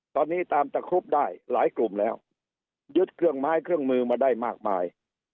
ตอนนี้ตามตะครุบได้หลายกลุ่มแล้วยึดเครื่องไม้เครื่องมือมาได้มากมาย